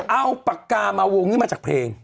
เอาปากกามาวงนี้มาจากเพลง